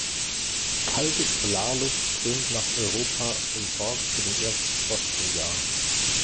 Kalte Polarluft strömt nach Europa und sorgt für den ersten Frost im Jahr.